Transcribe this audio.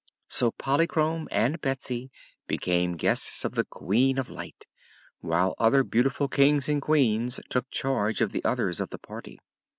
So Polychrome and Betsy became guests of the Queen of Light, while other beautiful Kings and Queens took charge of the others of the party.